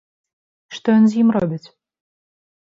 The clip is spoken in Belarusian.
Што ён з ім робіць?